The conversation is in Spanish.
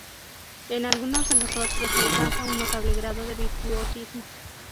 En algunos de los rostros se alcanza un notable grado de virtuosismo.